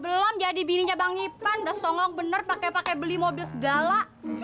belom jadi bininya bang ipan udah songong bener pake pake beli mobil segala